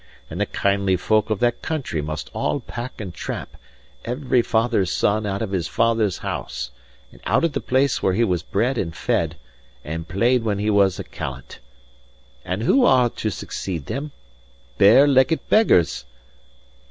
And the kindly folk of that country must all pack and tramp, every father's son out of his father's house, and out of the place where he was bred and fed, and played when he was a callant. And who are to succeed them? Bare leggit beggars!